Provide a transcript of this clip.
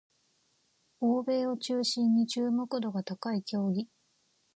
欧米を中心に注目度が高い競技